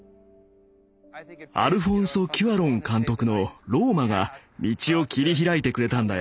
アルフォンソ・キュアロン監督の「ＲＯＭＡ／ローマ」が道を切り開いてくれたんだよ。